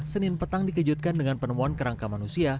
senin petang dikejutkan dengan penemuan kerangka manusia